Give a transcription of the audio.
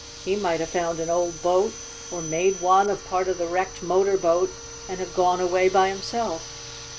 "He might have found an old boat, or made one of part of the wrecked motor boat, and have gone away by himself."